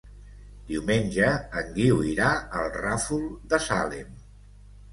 Diumenge en Guiu irà al Ràfol de Salem.